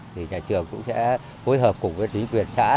thì nhà trường cũng sẽ phối hợp cùng với chính quyền xã